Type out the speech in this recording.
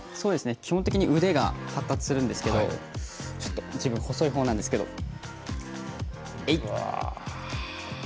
基本的に腕が発達するんですけど自分、細いほうなんですけどえいっ。